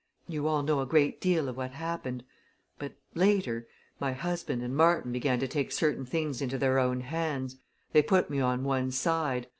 You all know a great deal of what happened. But later my husband and Martin began to take certain things into their own hands. They put me on one side.